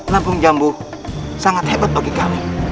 lampung jambu sangat hebat bagi kami